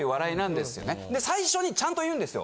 で最初にちゃんと言うんですよ。